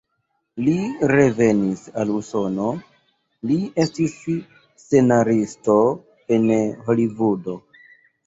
Li revenis al Usono, li estis scenaristo en Holivudo.